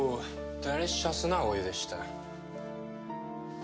デリシャスなお湯でした。